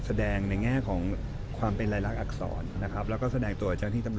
คนเข้าใจพี่เทอร์ม่ากคนนึกขึ้นรึยังคะ